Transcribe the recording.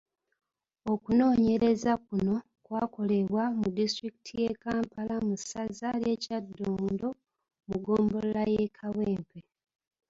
Okunoonyereza kuno kwakolebwa mu disitulikiti y’eKampala mu ssaza, ly’eKyaddondo mu Ggombolola y’eKawempe.